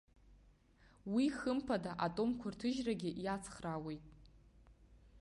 Уи, хымԥада, атомқәа рҭыжьрагьы иацхраауеит!